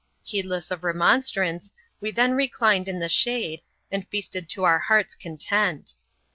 Heedless of remonstrance, we then reclined in the shade, and feasted to our heart's content.